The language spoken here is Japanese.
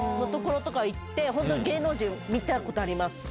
芸能人見たことあります。